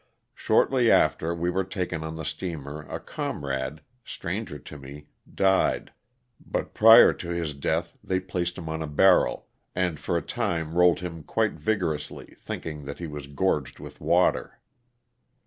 Shortly after we were taken on the steamer a comrade (stranger to me) died, but prior to to his death they placed him on a barrel and for a time rolled him quite vigorously, thinking that he was gorged with water.